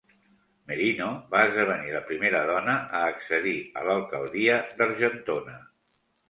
Merino, va esdevenir la primera dona a accedir a l'Alcaldia d'Argentona.